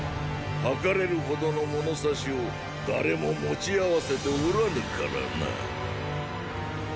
測れるほどの“物差し”を誰も持ち合わせておらぬからな。